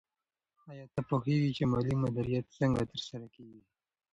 آیا ته پوهېږې چې مالي مدیریت څنګه ترسره کېږي؟